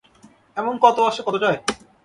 এমন কত আসে, কত যায়।